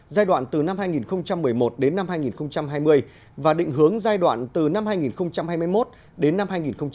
giai đoạn từ năm hai nghìn một mươi một đến năm hai nghìn hai mươi và định hướng giai đoạn từ năm hai nghìn hai mươi một đến năm hai nghìn ba mươi